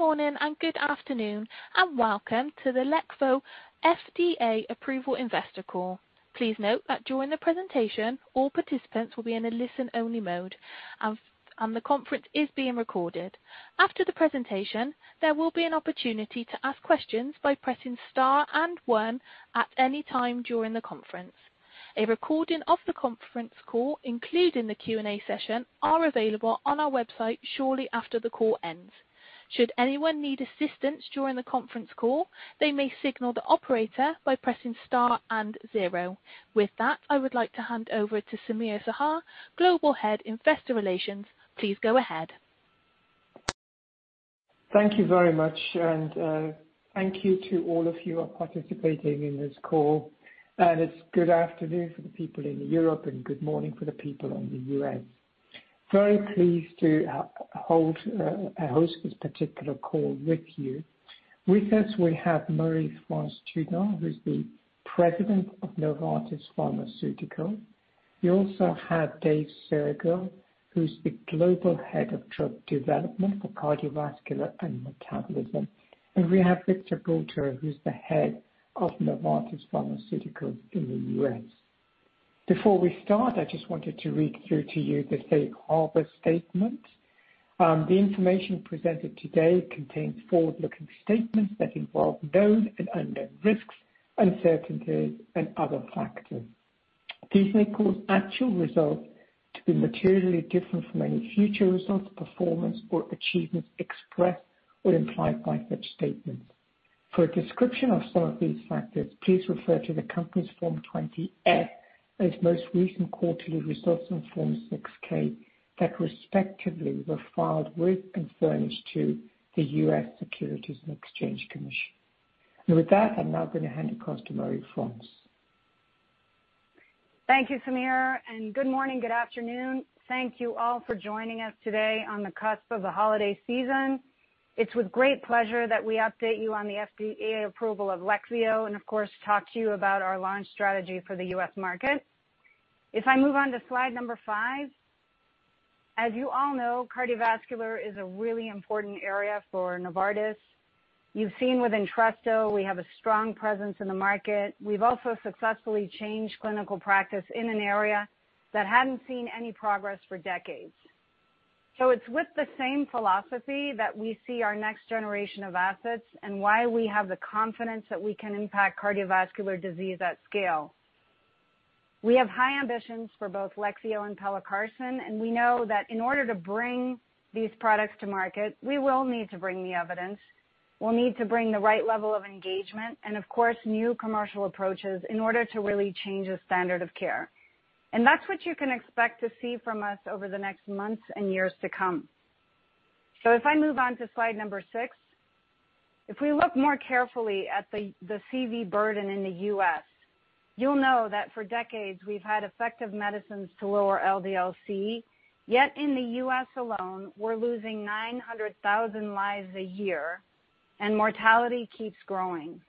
Good morning and good afternoon, and welcome to the Leqvio FDA approval investor call. Please note that during the presentation, all participants will be in a listen-only mode and the conference is being recorded. After the presentation, there will be an opportunity to ask questions by pressing star and one at any time during the conference. A recording of the conference call, including the Q&A session, are available on our website shortly after the call ends. Should anyone need assistance during the conference call, they may signal the operator by pressing star and zero. With that, I would like to hand over to Samir Shah, Global Head Investor Relations. Please go ahead. Thank you very much. Thank you to all of you who are participating in this call. It's good afternoon for the people in Europe and good morning for the people in the U.S. Very pleased to host this particular call with you. With us, we have Marie-France Tschudin, who is the President of Novartis Pharmaceuticals. We also have Dave Soergel, who is the Global Head of Drug Development for Cardiovascular and Metabolism. We have Victor Bultó, who is the Head of Novartis Pharmaceuticals in the U.S. Before we start, I just wanted to read through to you the safe harbor statement. The information presented today contains forward-looking statements that involve known and unknown risks, uncertainties and other factors. These may cause actual results to be materially different from any future results, performance or achievements expressed or implied by such statements. For a description of some of these factors, please refer to the company's Form 20-F, its most recent quarterly results on Form 6-K that respectively were filed with and furnished to the U.S. Securities and Exchange Commission. With that, I'm now gonna hand it across to Marie-France. Thank you, Samir, and good morning, good afternoon. Thank you all for joining us today on the cusp of the holiday season. It's with great pleasure that we update you on the FDA approval of Leqvio and of course, talk to you about our launch strategy for the U.S. market. If I move on to slide number five, as you all know, cardiovascular is a really important area for Novartis. You've seen with Entresto, we have a strong presence in the market. We've also successfully changed clinical practice in an area that hadn't seen any progress for decades. It's with the same philosophy that we see our next generation of assets and why we have the confidence that we can impact cardiovascular disease at scale. We have high ambitions for both Leqvio and pelacarsen, and we know that in order to bring these products to market, we will need to bring the evidence. We'll need to bring the right level of engagement and of course, new commercial approaches in order to really change the standard of care. That's what you can expect to see from us over the next months and years to come. If I move on to slide six. If we look more carefully at the CV burden in the U.S., you'll know that for decades we've had effective medicines to lower LDL-C. Yet in the U.S. alone, we're losing 900,000 lives a year, and mortality keeps growing.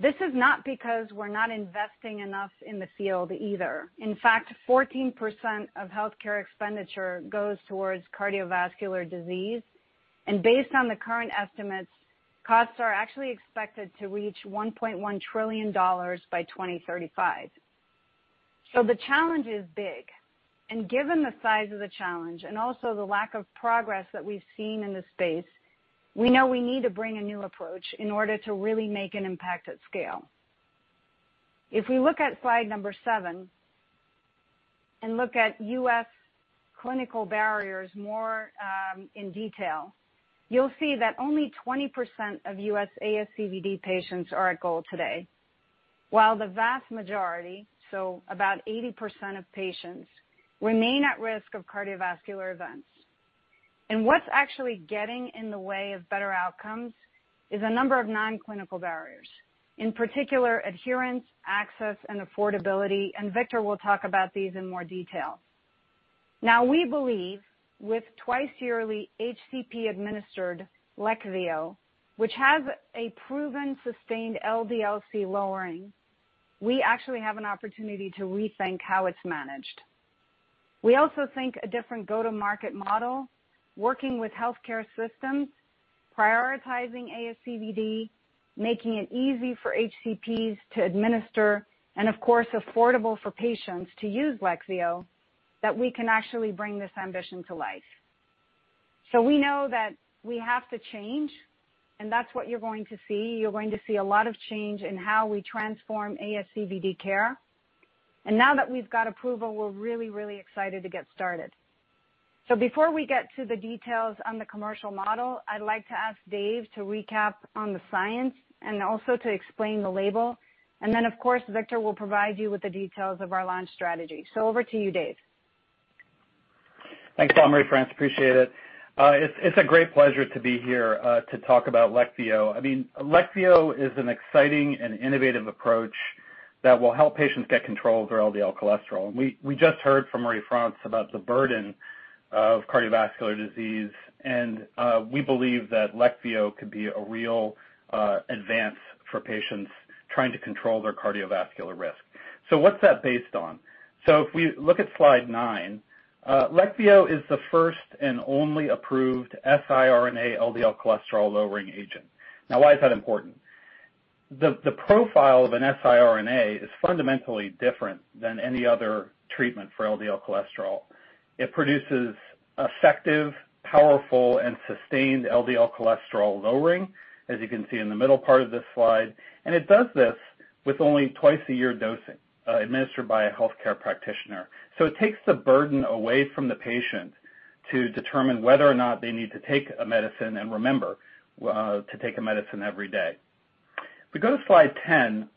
This is not because we're not investing enough in the field either. In fact, 14% of healthcare expenditure goes towards cardiovascular disease. Based on the current estimates, costs are actually expected to reach $1.1 trillion by 2035. The challenge is big. Given the size of the challenge and also the lack of progress that we've seen in this space, we know we need to bring a new approach in order to really make an impact at scale. If we look at slide number seven and look at U.S. clinical barriers more in detail, you'll see that only 20% of U.S. ASCVD patients are at goal today. While the vast majority, so about 80% of patients, remain at risk of cardiovascular events. What's actually getting in the way of better outcomes is a number of non-clinical barriers, in particular adherence, access and affordability. Victor will talk about these in more detail. Now, we believe with twice-yearly HCP-administered Leqvio, which has a proven sustained LDL-C lowering, we actually have an opportunity to rethink how it's managed. We also think a different go-to-market model, working with healthcare systems, prioritizing ASCVD, making it easy for HCPs to administer and of course, affordable for patients to use Leqvio, that we can actually bring this ambition to life. We know that we have to change, and that's what you're going to see. You're going to see a lot of change in how we transform ASCVD care. Now that we've got approval, we're really, really excited to get started. Before we get to the details on the commercial model, I'd like to ask Dave to recap on the science and also to explain the label. Then, of course, Victor will provide you with the details of our launch strategy. Over to you, Dave. Thanks, Marie-France. Appreciate it. It's a great pleasure to be here to talk about Leqvio. I mean, Leqvio is an exciting and innovative approach that will help patients get control of their LDL cholesterol. We just heard from Marie-France about the burden of cardiovascular disease and we believe that Leqvio could be a real advance for patients trying to control their cardiovascular risk. What's that based on? If we look at slide nine, Leqvio is the first and only approved siRNA LDL cholesterol lowering agent. Now, why is that important? The profile of an siRNA is fundamentally different than any other treatment for LDL cholesterol. It produces effective, powerful, and sustained LDL cholesterol lowering, as you can see in the middle part of this slide, and it does this with only twice-a-year dosing, administered by a healthcare practitioner. It takes the burden away from the patient to determine whether or not they need to take a medicine and remember to take a medicine every day. If we go to slide ten,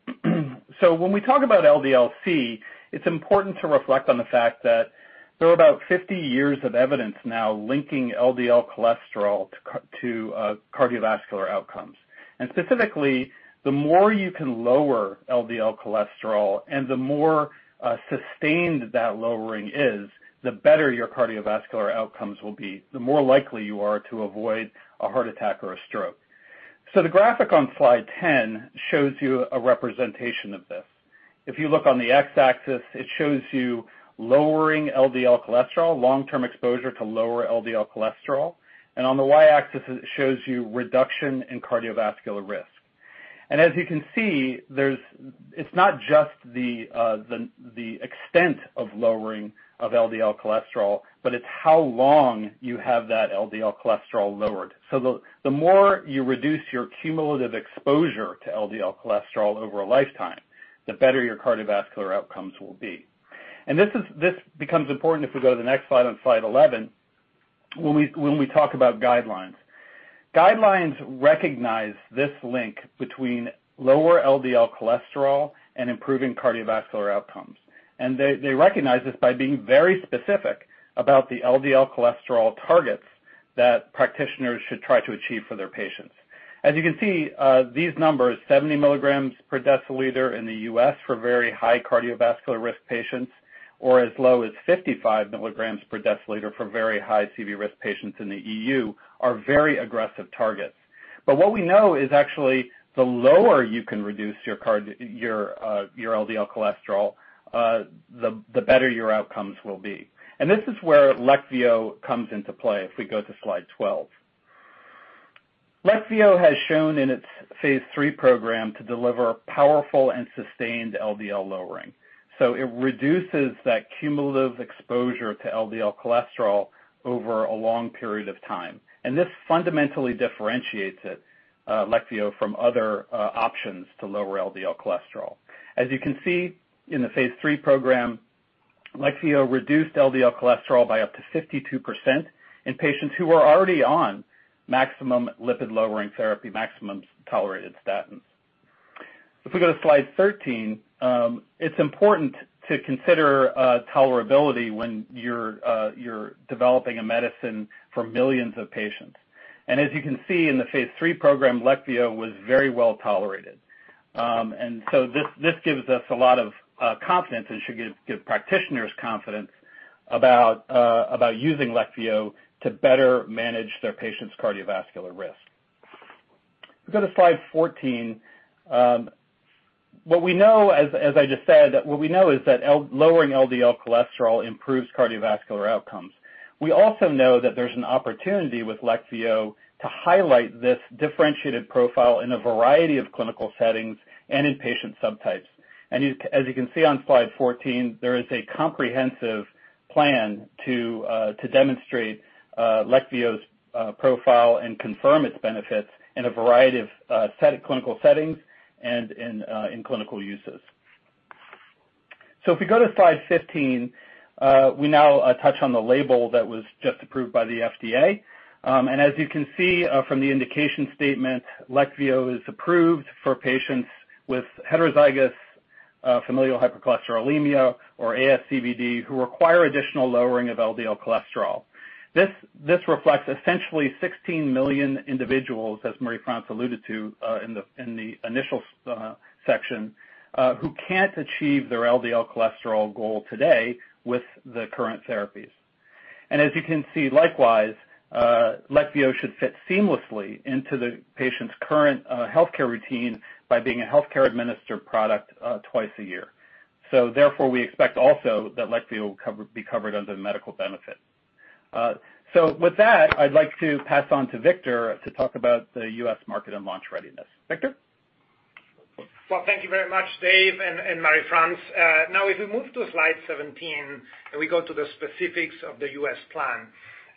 when we talk about LDL-C, it's important to reflect on the fact that there are about 50 years of evidence now linking LDL cholesterol to cardiovascular outcomes. Specifically, the more you can lower LDL cholesterol and the more sustained that lowering is, the better your cardiovascular outcomes will be, the more likely you are to avoid a heart attack or a stroke. The graphic on slide 10 shows you a representation of this. If you look on the X-axis, it shows you lowering LDL cholesterol, long-term exposure to lower LDL cholesterol, and on the Y-axis it shows you reduction in cardiovascular risk. As you can see, it's not just the extent of lowering of LDL cholesterol, but it's how long you have that LDL cholesterol lowered. The more you reduce your cumulative exposure to LDL cholesterol over a lifetime, the better your cardiovascular outcomes will be. This becomes important if we go to the next slide, on slide 11, when we talk about guidelines. Guidelines recognize this link between lower LDL cholesterol and improving cardiovascular outcomes. They recognize this by being very specific about the LDL cholesterol targets that practitioners should try to achieve for their patients. As you can see, these numbers, 70 mg/dL in the U.S. for very high cardiovascular risk patients or as low as 55 mg/dL for very high CV risk patients in the EU, are very aggressive targets. What we know is actually the lower you can reduce your LDL cholesterol, the better your outcomes will be. This is where Leqvio comes into play if we go to slide 12. Leqvio has shown in its phase III program to deliver powerful and sustained LDL lowering. It reduces that cumulative exposure to LDL cholesterol over a long period of time. This fundamentally differentiates it, Leqvio, from other options to lower LDL cholesterol. As you can see in the phase III program, Leqvio reduced LDL cholesterol by up to 52% in patients who are already on maximum lipid-lowering therapy, maximum tolerated statin. If we go to slide 13, it's important to consider tolerability when you're developing a medicine for millions of patients. As you can see in the phase III program, Leqvio was very well tolerated. This gives us a lot of confidence and should give practitioners confidence about using Leqvio to better manage their patients' cardiovascular risk. If we go to slide 14, what we know is that lowering LDL cholesterol improves cardiovascular outcomes. We also know that there's an opportunity with Leqvio to highlight this differentiated profile in a variety of clinical settings and in patient subtypes. As you can see on slide 14, there is a comprehensive plan to demonstrate Leqvio's profile and confirm its benefits in a variety of specific clinical settings and in clinical uses. If you go to slide 15, we now touch on the label that was just approved by the FDA. As you can see from the indication statement, Leqvio is approved for patients with heterozygous familial hypercholesterolemia or ASCVD who require additional lowering of LDL cholesterol. This reflects essentially 16 million individuals, as Marie-France alluded to, in the initial section, who can't achieve their LDL cholesterol goal today with the current therapies. As you can see, likewise, Leqvio should fit seamlessly into the patient's current healthcare routine by being a healthcare administered product, twice a year. Therefore, we expect also that Leqvio will cover, be covered under the medical benefit. With that, I'd like to pass on to Victor to talk about the U.S. market and launch readiness. Victor? Well, thank you very much, Dave and Marie-France Tschudin. Now if we move to slide 17, and we go to the specifics of the U.S. plan.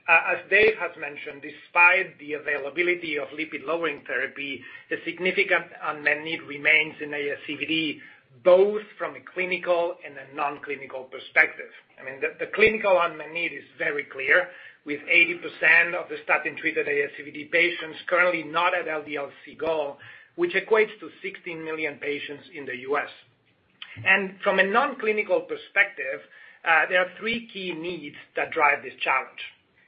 As Dave has mentioned, despite the availability of lipid-lowering therapy, the significant unmet need remains in ASCVD, both from a clinical and a non-clinical perspective. I mean, the clinical unmet need is very clear, with 80% of the statin-treated ASCVD patients currently not at LDL-C goal, which equates to 16 million patients in the U.S. From a non-clinical perspective, there are three key needs that drive this challenge.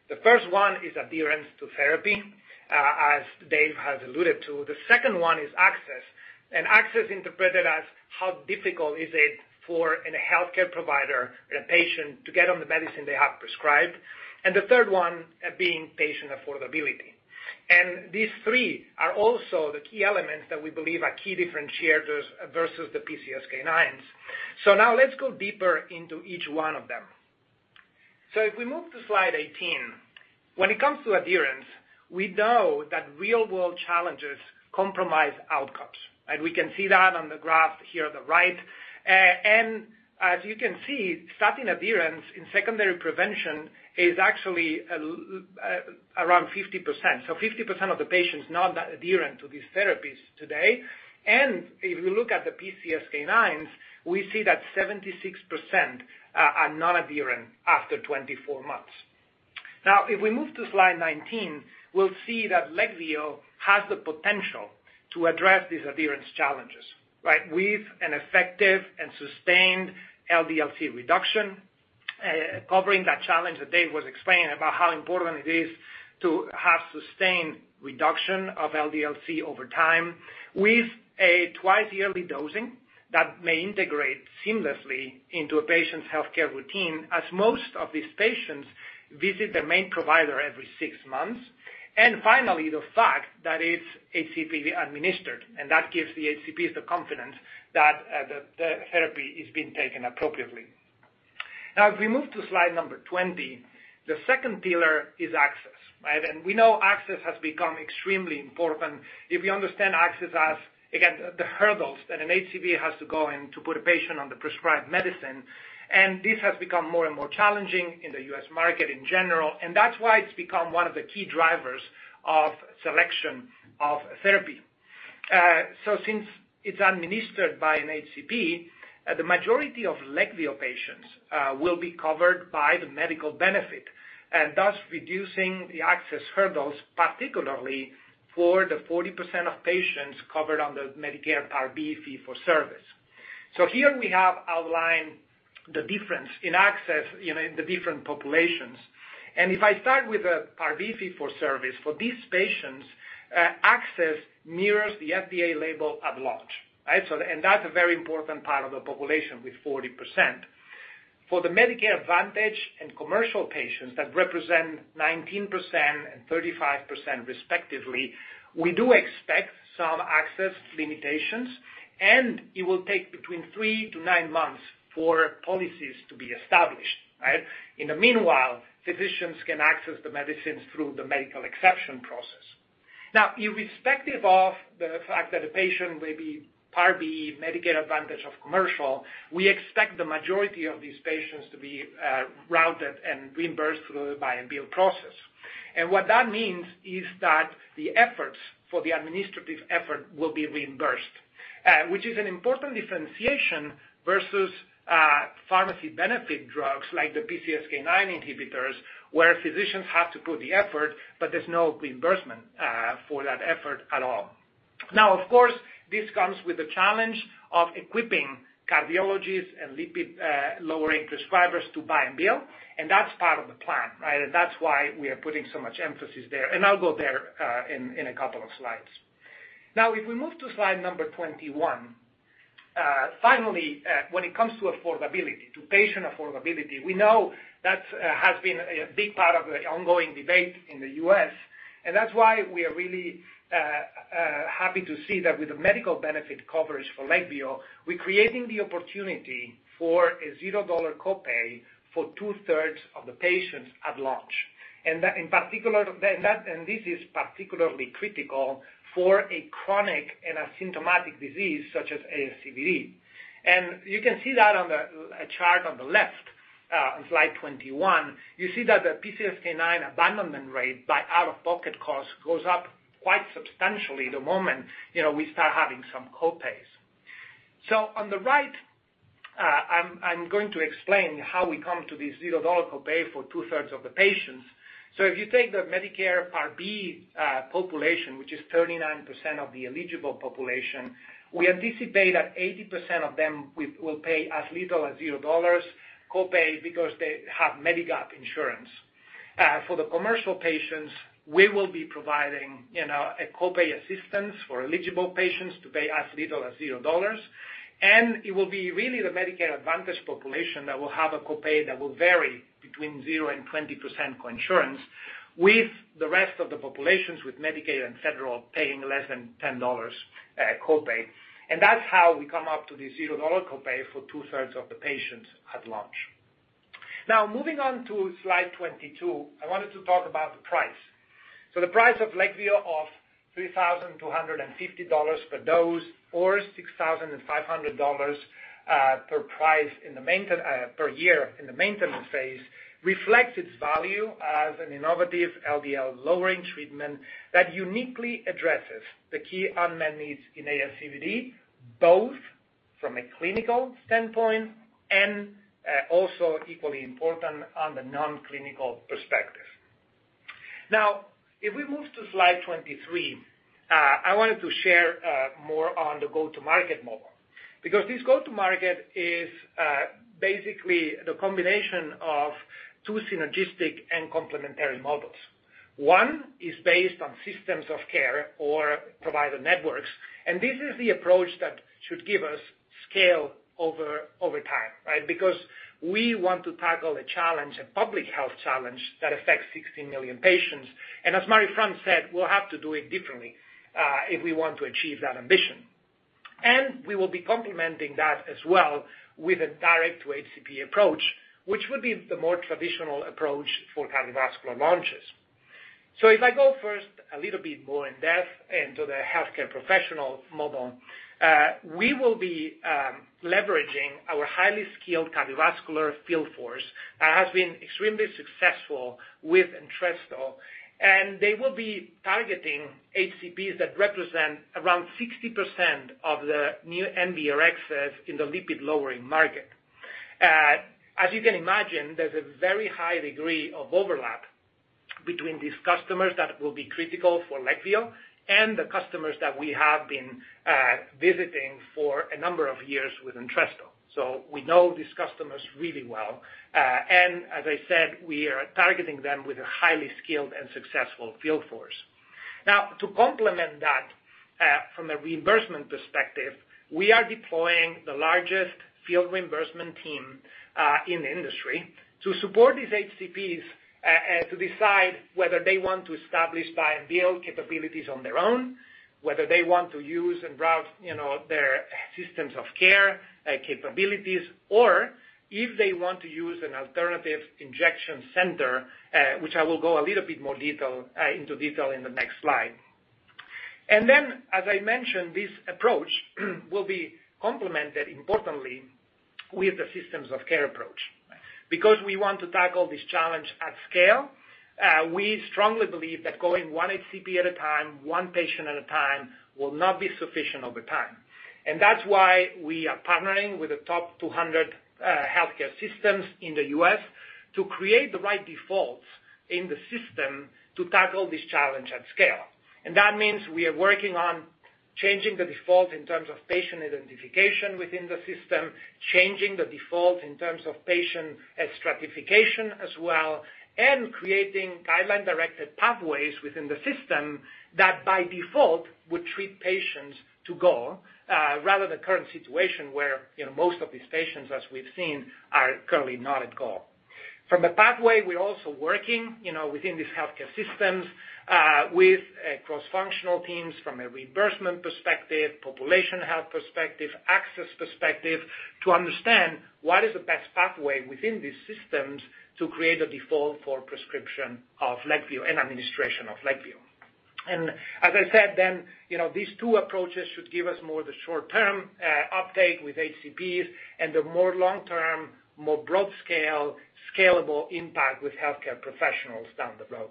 The first one is adherence to therapy, as Dave has alluded to. The second one is access, and access interpreted as how difficult is it for a healthcare provider and a patient to get on the medicine they have prescribed. The third one being patient affordability. These three are also the key elements that we believe are key differentiators versus the PCSK9s. Now let's go deeper into each one of them. If we move to slide 18, when it comes to adherence, we know that real-world challenges compromise outcomes, and we can see that on the graph here on the right. And as you can see, statin adherence in secondary prevention is actually around 50%. 50% of the patients not that adherent to these therapies today. If you look at the PCSK9s, we see that 76% are not adherent after 24 months. Now, if we move to slide 19, we'll see that Leqvio has the potential to address these adherence challenges, right? With an effective and sustained LDL-C reduction, covering that challenge that Dave was explaining about how important it is to have sustained reduction of LDL-C over time with a twice-yearly dosing that may integrate seamlessly into a patient's healthcare routine, as most of these patients visit their main provider every six months. Finally, the fact that it's HCP administered, and that gives the HCPs the confidence that the therapy is being taken appropriately. Now, if we move to slide number 20, the second pillar is access, right? We know access has become extremely important. If you understand access as, again, the hurdles that an HCP has to go in to put a patient on the prescribed medicine, and this has become more and more challenging in the U.S. market in general, and that's why it's become one of the key drivers of selection of therapy. Since it's administered by an HCP, the majority of Leqvio patients will be covered by the medical benefit and thus reducing the access hurdles, particularly for the 40% of patients covered under Medicare Part B fee-for-service. Here we have outlined the difference in access, you know, in the different populations. If I start with the Part B fee-for-service, for these patients, access mirrors the FDA label at launch, right? That's a very important part of the population with 40%. For the Medicare Advantage and commercial patients that represent 19% and 35% respectively, we do expect some access limitations, and it will take between three to nine months for policies to be established, right? In the meanwhile, physicians can access the medicines through the medical exception process. Irrespective of the fact that a patient may be Part B, Medicare Advantage, or commercial, we expect the majority of these patients to be routed and reimbursed through the buy-and-bill process. What that means is that the administrative efforts will be reimbursed, which is an important differentiation versus pharmacy benefit drugs like the PCSK9 inhibitors, where physicians have to put the effort, but there's no reimbursement for that effort at all. Of course, this comes with the challenge of equipping cardiologists and lipid-lowering prescribers to buy and bill, and that's part of the plan, right? That's why we are putting so much emphasis there, and I'll go there in a couple of slides. If we move to slide number 21. Finally, when it comes to affordability, to patient affordability, we know that has been a big part of the ongoing debate in the U.S., and that's why we are really happy to see that with the medical benefit coverage for Leqvio, we're creating the opportunity for a $0 copay for 2/3 of the patients at launch. That, and this is particularly critical for a chronic and asymptomatic disease such as ASCVD. You can see that on a chart on the left, on slide 21. You see that the PCSK9 abandonment rate by out-of-pocket cost goes up quite substantially the moment, you know, we start having some copays. On the right, I'm going to explain how we come to this $0 copay for 2/3 of the patients. If you take the Medicare Part B population, which is 39% of the eligible population, we anticipate that 80% of them will pay as little as $0 copay because they have Medigap insurance. For the commercial patients, we will be providing you know, a copay assistance for eligible patients to pay as little as $0. It will be really the Medicare Advantage population that will have a copay that will vary between $0 and 20% coinsurance with the rest of the populations with Medicaid and federal paying less than $10 copay. That's how we come up to the $0 copay for 2/3 of the patients at launch. Now, moving on to slide 22, I wanted to talk about the price. The price of Leqvio of $3,250 per dose or $6,500 per year in the maintenance phase reflects its value as an innovative LDL lowering treatment that uniquely addresses the key unmet needs in ASCVD, both from a clinical standpoint and also equally important on the non-clinical perspective. If we move to slide 23, I wanted to share more on the go-to-market model, because this go-to-market is basically the combination of two synergistic and complementary models. One is based on systems of care or provider networks, and this is the approach that should give us scale over time, right? Because we want to tackle a challenge, a public health challenge that affects 60 million patients. As Marie-France said, we'll have to do it differently if we want to achieve that ambition. We will be complementing that as well with a direct-to-HCP approach, which would be the more traditional approach for cardiovascular launches. If I go first a little bit more in-depth into the healthcare professional model, we will be leveraging our highly skilled cardiovascular field force that has been extremely successful with Entresto, and they will be targeting HCPs that represent around 60% of the new NBRxs in the lipid-lowering market. As you can imagine, there's a very high degree of overlap between these customers that will be critical for Leqvio and the customers that we have been visiting for a number of years with Entresto. We know these customers really well. As I said, we are targeting them with a highly skilled and successful field force. Now, to complement that, from a reimbursement perspective, we are deploying the largest field reimbursement team in the industry to support these HCPs to decide whether they want to establish buy-and-bill capabilities on their own, whether they want to use our, you know, the systems of care capabilities, or if they want to use an alternative injection center, which I will go into a little bit more detail in the next slide. As I mentioned, this approach will be complemented importantly with the systems of care approach. Because we want to tackle this challenge at scale, we strongly believe that going one HCP at a time, one patient at a time will not be sufficient over time. That's why we are partnering with the top 200 healthcare systems in the U.S. to create the right defaults in the system to tackle this challenge at scale. That means we are working on changing the default in terms of patient identification within the system, changing the default in terms of patient stratification as well, and creating guideline-directed pathways within the system that by default would treat patients to goal, rather than current situation where, you know, most of these patients, as we've seen, are currently not at goal. From the pathway, we're also working, you know, within these healthcare systems, with cross-functional teams from a reimbursement perspective, population health perspective, access perspective to understand what is the best pathway within these systems to create a default for prescription of Leqvio and administration of Leqvio. As I said then, you know, these two approaches should give us more the short-term uptake with HCPs and the more long-term, more broad scale, scalable impact with healthcare professionals down the road.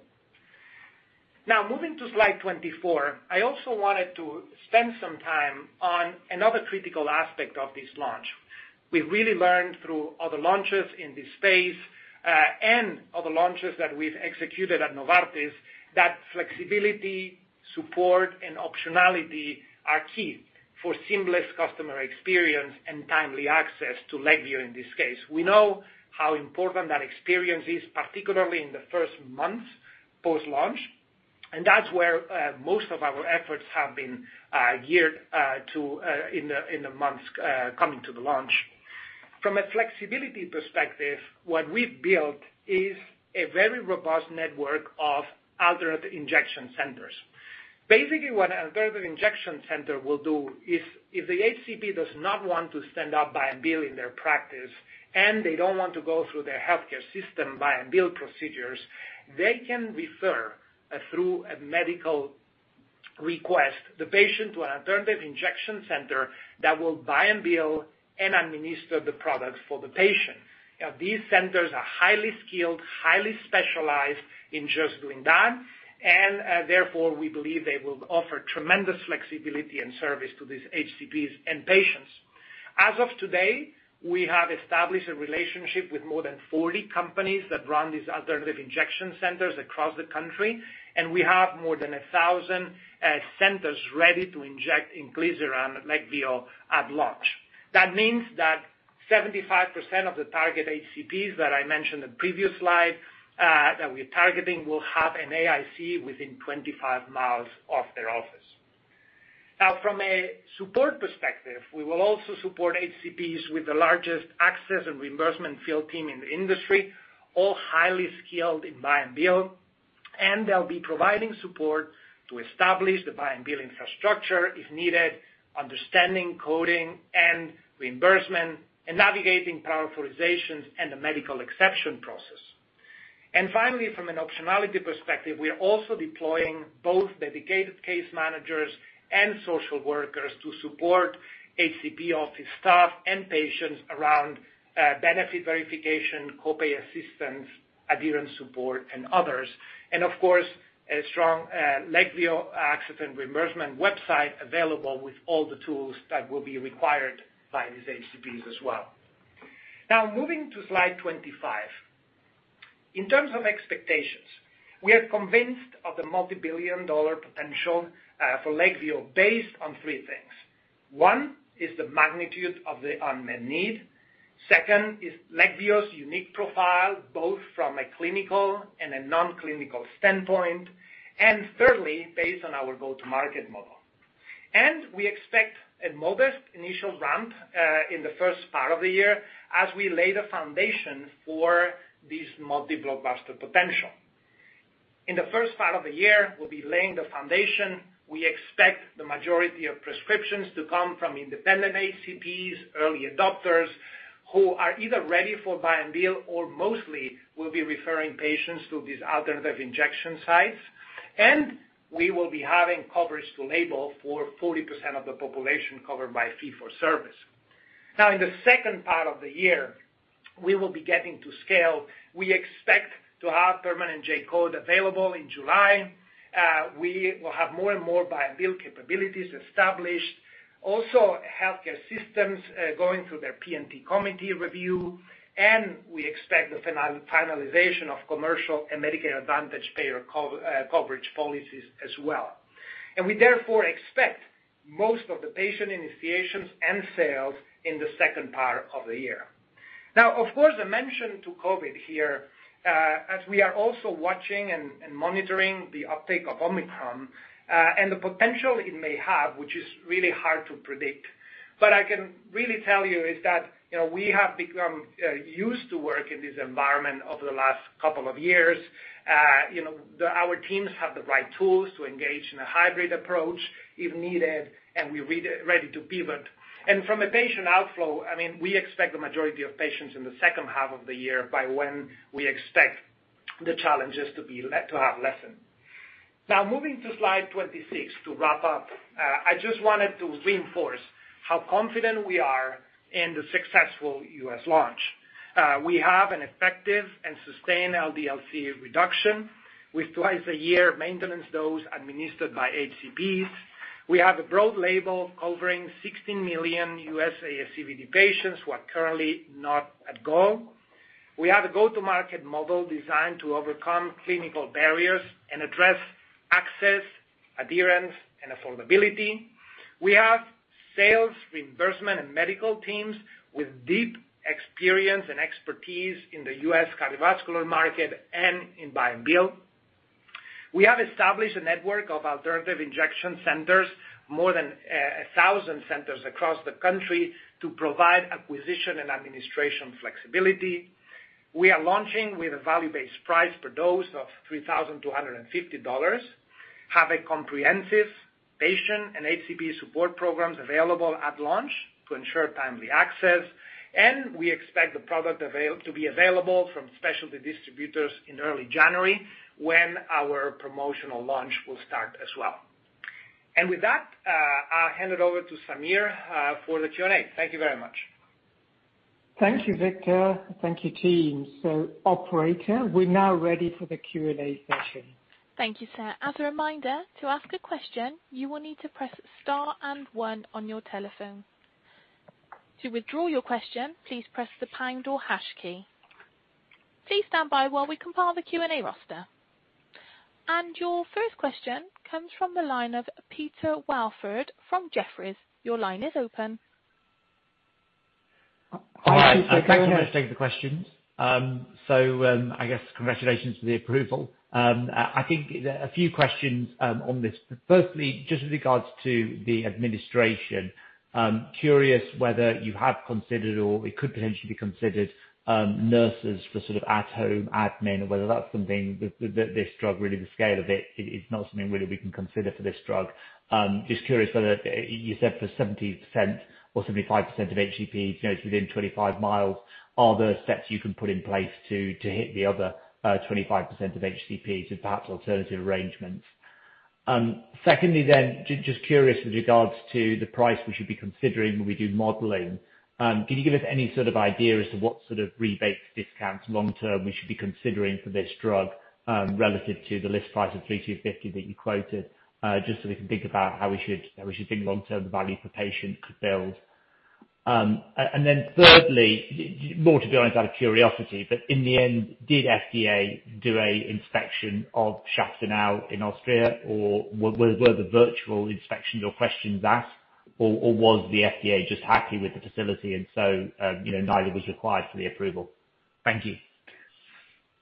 Now, moving to slide 24, I also wanted to spend some time on another critical aspect of this launch. We really learned through other launches in this space and other launches that we've executed at Novartis, that flexibility, support, and optionality are key for seamless customer experience and timely access to Leqvio in this case. We know how important that experience is, particularly in the first months post-launch, and that's where most of our efforts have been geared to in the months coming to the launch. From a flexibility perspective, what we've built is a very robust network of alternate injection centers. Basically, what an alternative injection center will do is if the HCP does not want to stand up, buy and bill in their practice, and they don't want to go through their healthcare system buy and bill procedures, they can refer through a medical request the patient to an alternative injection center that will buy and bill and administer the product for the patient. These centers are highly skilled, highly specialized in just doing that, and therefore, we believe they will offer tremendous flexibility and service to these HCPs and patients. As of today, we have established a relationship with more than 40 companies that run these alternative injection centers across the country, and we have more than 1,000 centers ready to inject inclisiran Leqvio at launch. That means that 75% of the target HCPs that I mentioned in the previous slide that we're targeting will have an AIC within 25 miles of their office. Now, from a support perspective, we will also support HCPs with the largest access and reimbursement field team in the industry, all highly skilled in buy-and-bill, and they'll be providing support to establish the buy-and-bill infrastructure if needed, understanding coding and reimbursement, and navigating prior authorizations and the medical exception process. Finally, from an optionality perspective, we are also deploying both dedicated case managers and social workers to support HCP office staff and patients around benefit verification, copay assistance, adherence support, and others. Of course, a strong Leqvio access and reimbursement website available with all the tools that will be required by these HCPs as well. Now, moving to slide 25. In terms of expectations, we are convinced of the multibillion-dollar potential for Leqvio based on three things. One is the magnitude of the unmet need. Second is Leqvio's unique profile, both from a clinical and a non-clinical standpoint. Thirdly, based on our go-to-market model. We expect a modest initial ramp in the first part of the year as we lay the foundation for this multi-blockbuster potential. In the first part of the year, we'll be laying the foundation. We expect the majority of prescriptions to come from independent HCPs, early adopters, who are either ready for buy-and-bill, or mostly will be referring patients to these alternative injection sites. We will be having coverage to label for 40% of the population covered by fee-for-service. Now, in the second part of the year, we will be getting to scale. We expect to have permanent J-code available in July. We will have more and more buy-and-bill capabilities established. Also, healthcare systems going through their P&T committee review, and we expect the finalization of commercial and Medicare Advantage payer coverage policies as well. We therefore expect most of the patient initiations and sales in the second part of the year. Now, of course, a mention to COVID here, as we are also watching and monitoring the uptake of Omicron, and the potential it may have, which is really hard to predict. But I can really tell you is that, you know, we have become used to work in this environment over the last couple of years. You know, our teams have the right tools to engage in a hybrid approach if needed, and we are ready to pivot. From a patient outflow, I mean, we expect the majority of patients in the second half of the year by when we expect the challenges to have lessened. Now, moving to slide 26 to wrap up, I just wanted to reinforce how confident we are in the successful U.S. launch. We have an effective and sustained LDL-C reduction with twice-a-year maintenance dose administered by HCPs. We have a broad label covering 16 million U.S. ASCVD patients who are currently not at goal. We have a go-to-market model designed to overcome clinical barriers and address access, adherence, and affordability. We have sales, reimbursement, and medical teams with deep experience and expertise in the U.S. cardiovascular market and in buy-and-bill. We have established a network of alternative injection centers, more than 1,000 centers across the country, to provide acquisition and administration flexibility. We are launching with a value-based price per dose of $3,250, have a comprehensive patient and HCP support programs available at launch to ensure timely access. We expect the product to be available from specialty distributors in early January, when our promotional launch will start as well. With that, I'll hand it over to Samir for the Q&A. Thank you very much. Thank you, Victor. Thank you, team. Operator, we're now ready for the Q&A session. Thank you, sir. As a reminder, to ask a question, you will need to press star and one on your telephone. To withdraw your question, please press the pound or hash key. Please stand by while we compile the Q&A roster. Your first question comes from the line of Peter Welford from Jefferies. Your line is open. Hi. Thank you for taking the questions. So, I guess congratulations on the approval. I think there are a few questions on this. Firstly, just with regards to the administration, curious whether you have considered or it could potentially be considered, nurses for sort of at-home admin, or whether that's something that this drug really the scale of it's not something really we can consider for this drug. Just curious whether you said for 70% or 75% of HCPs, you know, it's within 25 mi. Are there steps you can put in place to hit the other 25% of HCPs with perhaps alternative arrangements? Secondly, just curious with regards to the price we should be considering when we do modeling. Can you give us any sort of idea as to what sort of rebates, discounts long term we should be considering for this drug, relative to the list price of $3,250 that you quoted? Just so we can think about how we should think long term value per patient could build. And then thirdly, more to be honest, out of curiosity, but in the end, did FDA do an inspection of Schaffhausen in Switzerland? Or were the virtual inspections or questions asked? Or was the FDA just happy with the facility and so, you know, neither was required for the approval? Thank you.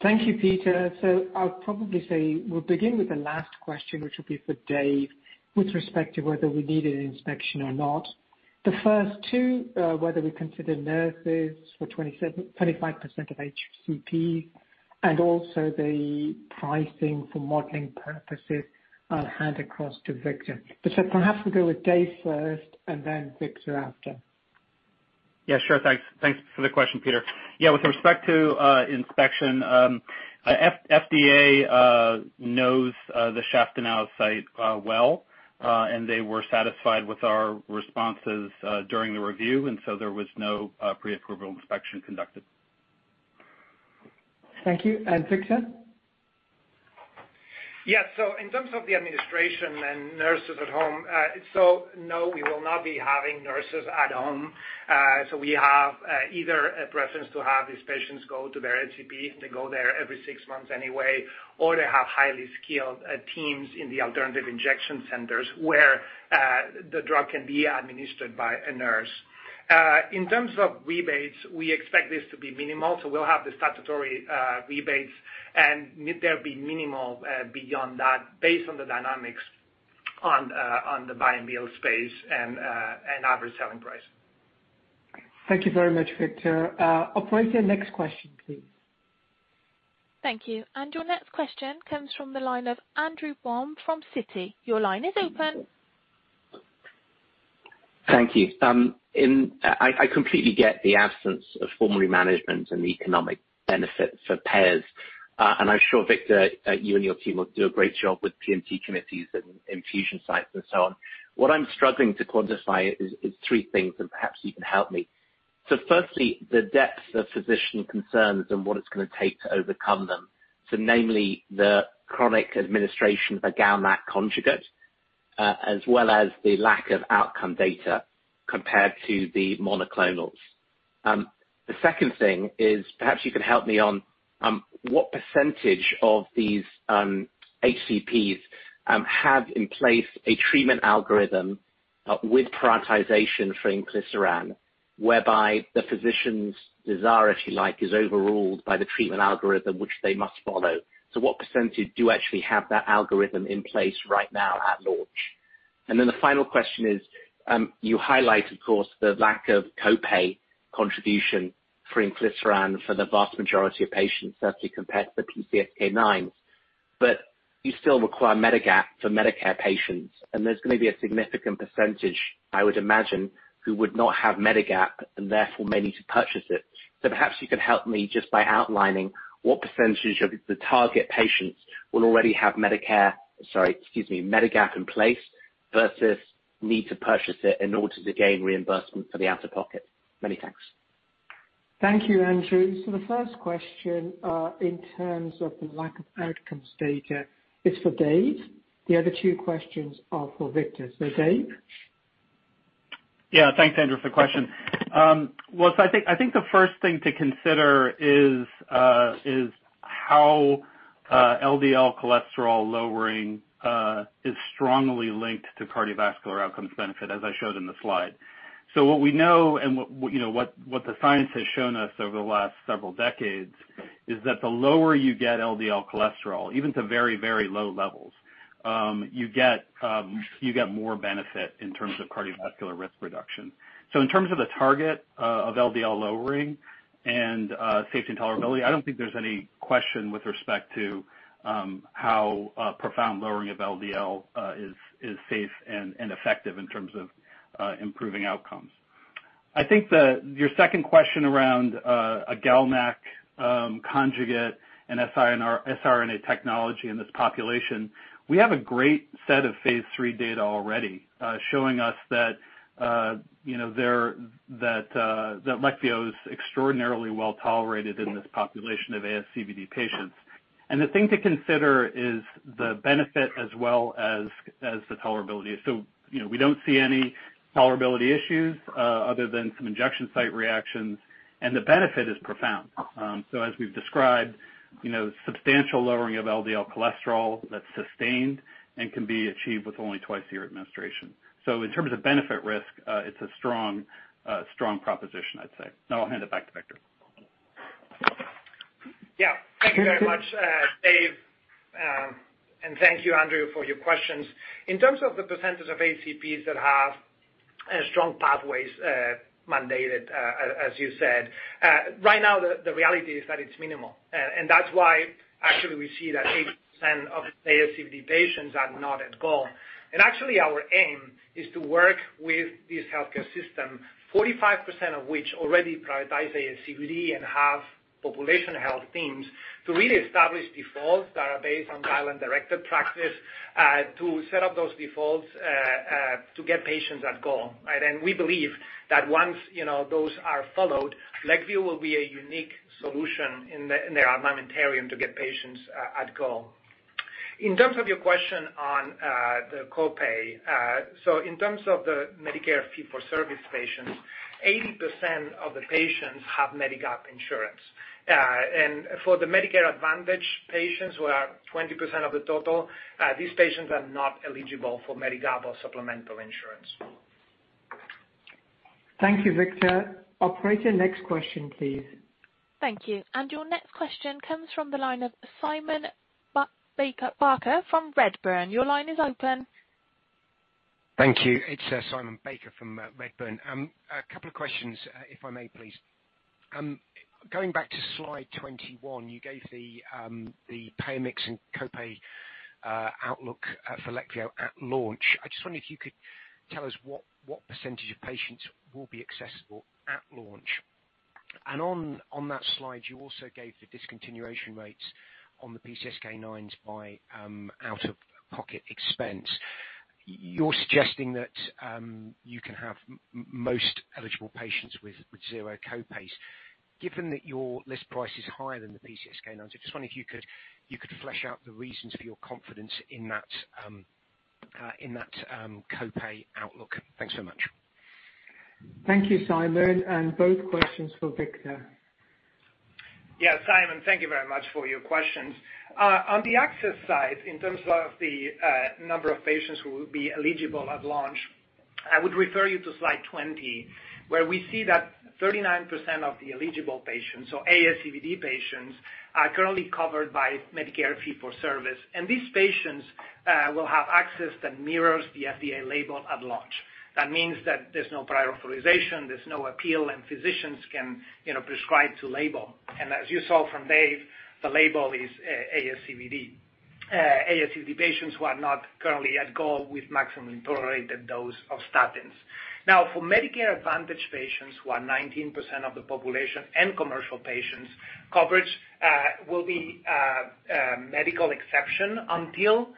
Thank you, Peter. I'll probably say we'll begin with the last question, which will be for Dave, with respect to whether we needed an inspection or not. The first two, whether we consider nurses for 25% of HCP, and also the pricing for modeling purposes I'll hand across to Victor. Perhaps we'll go with Dave first and then Victor after. Yeah. Sure. Thanks for the question, Peter. Yeah, with respect to inspection, FDA knows the Schaffhausen site well, and they were satisfied with our responses during the review. There was no pre-approval inspection conducted. Thank you. Victor? Yeah. In terms of the administration and nurses at home, no, we will not be having nurses at home. We have either a preference to have these patients go to their HCP, they go there every six months anyway, or they have highly skilled teams in the alternative injection centers, where the drug can be administered by a nurse. In terms of rebates, we expect this to be minimal, so we'll have the statutory rebates and there'll be minimal beyond that based on the dynamics on the buy-and-bill space and average selling price. Thank you very much, Victor. Operator, next question, please. Thank you. Your next question comes from the line of Andrew Baum from Citi. Your line is open. Thank you. I completely get the absence of formal management and the economic benefit for payers. I'm sure, Victor, you and your team will do a great job with P&T committees and infusion sites and so on. What I'm struggling to quantify is three things, and perhaps you can help me. Firstly, the depth of physician concerns and what it's gonna take to overcome them. Namely, the chronic administration of a GalNAc conjugate, as well as the lack of outcome data compared to the monoclonals. The second thing is, perhaps you can help me on what percentage of these HCPs have in place a treatment algorithm with prioritization for inclisiran, whereby the physician's desire, if you like, is overruled by the treatment algorithm which they must follow. What percentage do actually have that algorithm in place right now at launch? The final question is, you highlight, of course, the lack of co-pay contribution for inclisiran for the vast majority of patients, certainly compared to PCSK9. You still require Medigap for Medicare patients, and there's gonna be a significant percentage, I would imagine, who would not have Medigap and therefore may need to purchase it. Perhaps you could help me just by outlining what percentage of the target patients will already have Medigap in place versus need to purchase it in order to gain reimbursement for the out-of-pocket. Many thanks. Thank you, Andrew. The first question, in terms of the lack of outcome data is for Dave. The other two questions are for Victor. Dave? Yeah. Thanks, Andrew, for the question. Well, I think the first thing to consider is how LDL cholesterol lowering is strongly linked to cardiovascular outcomes benefit, as I showed in the slide. What we know and what you know what the science has shown us over the last several decades is that the lower you get LDL cholesterol, even to very, very low levels, you get more benefit in terms of cardiovascular risk reduction. In terms of the target of LDL lowering and safety and tolerability, I don't think there's any question with respect to how a profound lowering of LDL is safe and effective in terms of improving outcomes. I think the... Your second question around a GalNAc conjugate and siRNA technology in this population, we have a great set of phase III data already showing us that you know that Leqvio is extraordinarily well-tolerated in this population of ASCVD patients. The thing to consider is the benefit as well as the tolerability. You know, we don't see any tolerability issues other than some injection site reactions, and the benefit is profound. As we've described, you know, substantial lowering of LDL cholesterol that's sustained and can be achieved with only twice a year administration. In terms of benefit risk, it's a strong proposition, I'd say. Now, I'll hand it back to Victor. Yeah. Thank you very much, Dave, and thank you, Andrew, for your questions. In terms of the percentage of HCPs that have strong pathways mandated, as you said, right now the reality is that it's minimal. That's why actually we see that 80% of ASCVD patients are not at goal. Actually our aim is to work with this healthcare system, 45% of which already prioritize ASCVD and have population health teams to really establish defaults that are based on guideline-directed practice, to set up those defaults, to get patients at goal. Right? We believe that once, you know, those are followed, Leqvio will be a unique solution in the armamentarium to get patients at goal. In terms of your question on the copay, in terms of the Medicare fee-for-service patients, 80% of the patients have Medigap insurance. For the Medicare Advantage patients, who are 20% of the total, these patients are not eligible for Medigap or supplemental insurance. Thank you, Victor. Operator, next question, please. Thank you. Your next question comes from the line of Simon Baker from Redburn. Your line is open. Thank you. Simon Baker from Redburn. A couple of questions, if I may please. Going back to slide 21, you gave the payer mix and co-pay outlook for Leqvio at launch. I just wondered if you could tell us what percentage of patients will be accessible at launch. On that slide, you also gave the discontinuation rates on the PCSK9s by out-of-pocket expense. You're suggesting that you can have most eligible patients with zero co-pays. Given that your list price is higher than the PCSK9, I just wonder if you could flesh out the reasons for your confidence in that co-pay outlook. Thanks so much. Thank you, Simon, and both questions for Victor. Yeah, Simon, thank you very much for your questions. On the access side, in terms of the number of patients who will be eligible at launch, I would refer you to slide 20, where we see that 39% of the eligible patients, so ASCVD patients, are currently covered by Medicare fee for service. These patients will have access that mirrors the FDA label at launch. That means that there's no prior authorization, there's no appeal, and physicians can, you know, prescribe to label. As you saw from Dave, the label is ASCVD. ASCVD patients who are not currently at goal with maximum tolerated dose of statins. Now, for Medicare Advantage patients, who are 19% of the population, and commercial patients, coverage will be medical exception until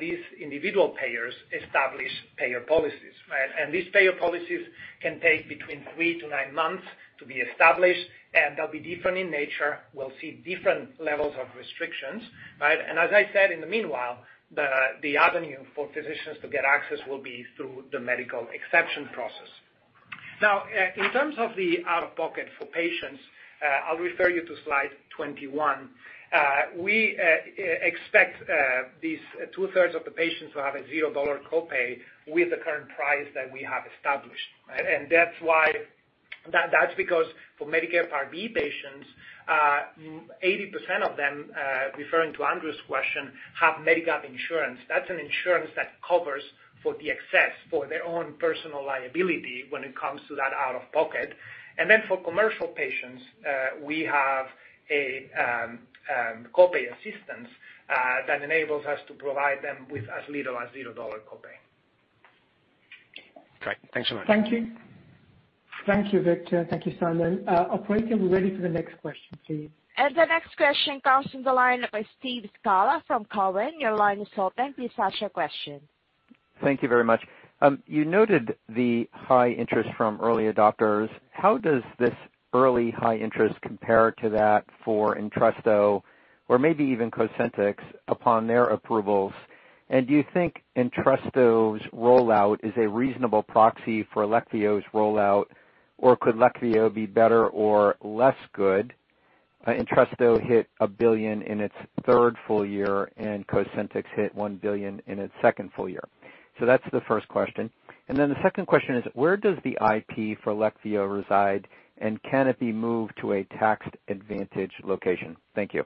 these individual payers establish payer policies, right? These payer policies can take between three to nine months to be established, and they'll be different in nature. We'll see different levels of restrictions, right? As I said, in the meanwhile, the avenue for physicians to get access will be through the medical exception process. Now, in terms of the out-of-pocket for patients, I'll refer you to slide 21. We expect these 2/3 of the patients to have a $0 co-pay with the current price that we have established. Right? That's why that's because for Medicare Part D patients, 80% of them, referring to Andrew's question, have Medigap insurance. That's an insurance that covers for the excess for their own personal liability when it comes to that out-of-pocket. For commercial patients, we have a co-pay assistance that enables us to provide them with as little as $0 co-pay. Great. Thanks so much. Thank you. Thank you, Victor. Thank you, Simon. Operator, we're ready for the next question, please. The next question comes from the line of Steve Scala from Cowen. Your line is open. Please ask your question. Thank you very much. You noted the high interest from early adopters. How does this early high interest compare to that for Entresto or maybe even Cosentyx upon their approvals? Do you think Entresto's rollout is a reasonable proxy for Leqvio's rollout, or could Leqvio be better or less good? Entresto hit $1 billion in its third full year, and Cosentyx hit $1 billion in its second full year. That's the first question. The second question is, where does the IP for Leqvio reside, and can it be moved to a tax-advantaged location? Thank you.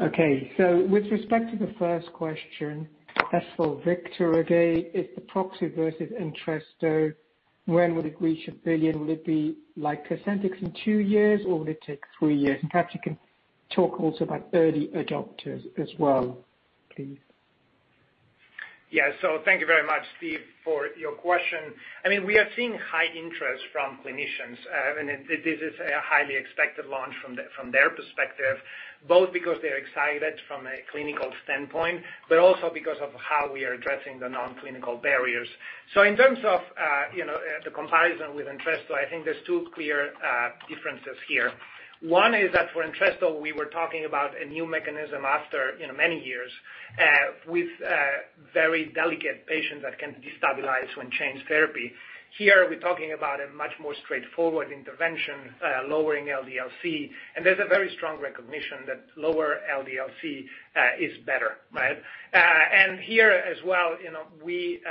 Okay. With respect to the first question, that's for Victor again, is the proxy versus Entresto, when would it reach a billion? Would it be like Cosentyx in two years, or would it take three years? Perhaps you can talk also about early adopters as well, please. Yeah. Thank you very much, Steve, for your question. I mean, we are seeing high interest from clinicians. This is a highly expected launch from their perspective, both because they're excited from a clinical standpoint, but also because of how we are addressing the non-clinical barriers. In terms of, you know, the comparison with Entresto, I think there's two clear differences here. One is that for Entresto, we were talking about a new mechanism after, you know, many years, with very delicate patients that can destabilize when changed therapy. Here, we're talking about a much more straightforward intervention, lowering LDL-C, and there's a very strong recognition that lower LDL-C is better, right? Here as well, you know, we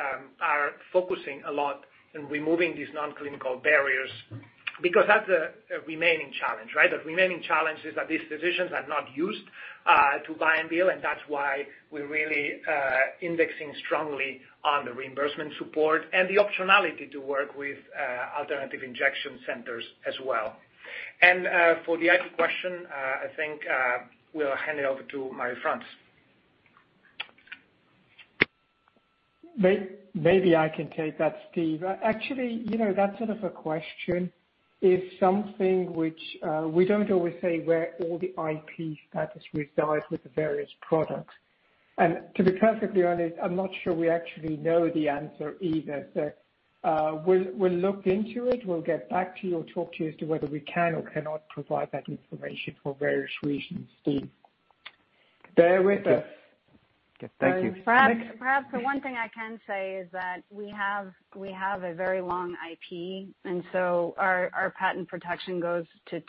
are focusing a lot in removing these non-clinical barriers because that's a remaining challenge, right? The remaining challenge is that these physicians are not used to buy-and-bill, and that's why we're really indexing strongly on the reimbursement support and the optionality to work with alternative injection centers as well. For the IP question, I think we'll hand it over to Marie-France. Maybe I can take that, Steve. Actually, you know, that sort of a question is something which we don't always say where all the IP status resides with the various products. To be perfectly honest, I'm not sure we actually know the answer either. We'll look into it. We'll get back to you or talk to you as to whether we can or cannot provide that information for various reasons, Steve. Bear with us. Okay. Thank you. Next. Perhaps the one thing I can say is that we have a very long IP, and so our patent protection goes to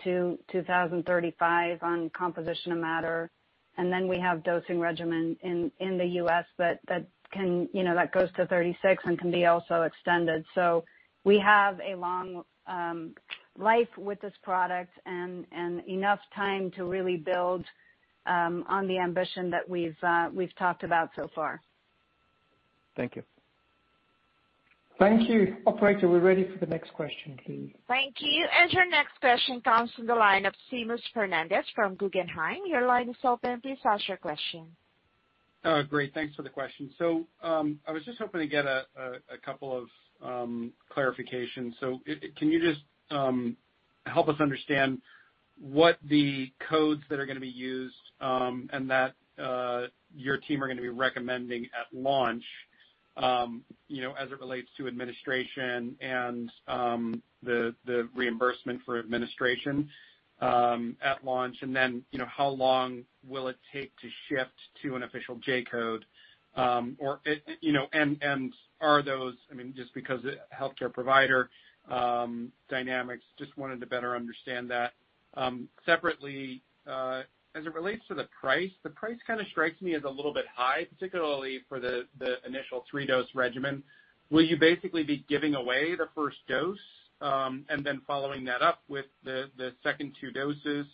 2035 on composition of matter, and then we have dosing regimen in the U.S., but that can, you know, that goes to 2036 and can be also extended. We have a long life with this product and enough time to really build on the ambition that we've talked about so far. Thank you. Thank you. Operator, we're ready for the next question, please. Thank you. Your next question comes from the line of Seamus Fernandez from Guggenheim. Your line is open. Please ask your question. Great. Thanks for the question. I was just hoping to get a couple of clarifications. Can you just help us understand what are the codes that are going to be used, and that your team are going to be recommending at launch, you know, as it relates to administration and the reimbursement for administration at launch, and then, you know, how long will it take to shift to an official J-code, or, you know, and are those... I mean, just because healthcare provider dynamics just wanted to better understand that. Separately, as it relates to the price, the price kind of strikes me as a little bit high, particularly for the initial three-dose regimen. Will you basically be giving away the first dose, and then following that up with the second two doses?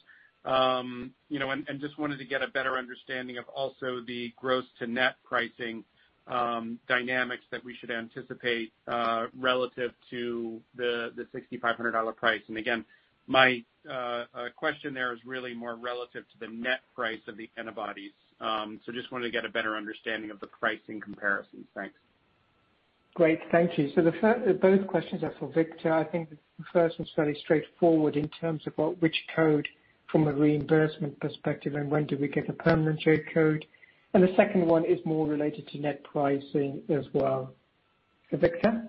You know, just wanted to get a better understanding of also the gross to net pricing dynamics that we should anticipate relative to the $6,500 price. Again, my question there is really more relative to the net price of the antibodies. Just wanted to get a better understanding of the pricing comparisons. Thanks. Great. Thank you. Both questions are for Victor. I think the first one is fairly straightforward in terms of what, which code from a reimbursement perspective and when do we get a permanent J-code. The second one is more related to net pricing as well. Victor.